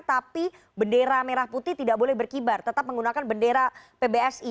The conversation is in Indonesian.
tapi bendera merah putih tidak boleh berkibar tetap menggunakan bendera pbsi